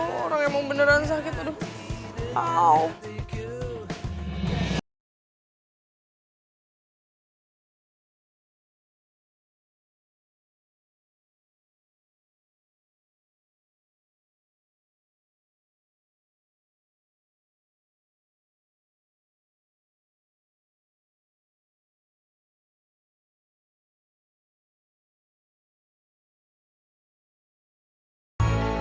wah sujud sujud sama orang